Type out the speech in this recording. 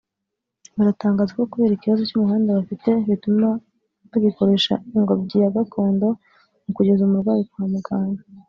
baratangaza ko kubera ikibazo cy’umuhanda bafite bituma bagikoresha ingobyi ya gakondo mu kugeza umurwayi kwa muganga